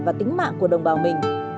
và tính mạng của đồng bào mình